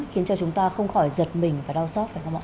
khiến cho chúng ta không khỏi giật mình và đau xót